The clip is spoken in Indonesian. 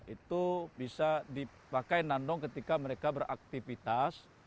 itu bisa dipakai nandong ketika mereka beraktivitas